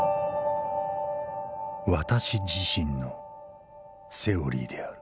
私自身のセオリーである」。